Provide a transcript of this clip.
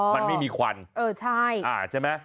มันไม่มีควันใช่ไหม